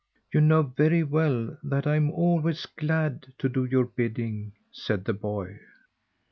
"You know very well that I am always glad to do your bidding," said the boy.